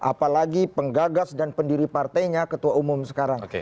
apalagi penggagas dan pendiri partainya ketua umum sekarang